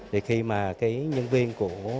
thì khi mà cái nhân viên của